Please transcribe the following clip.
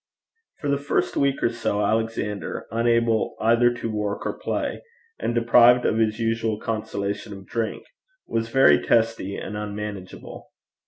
For the first week or so, Alexander, unable either to work or play, and deprived of his usual consolation of drink, was very testy and unmanageable.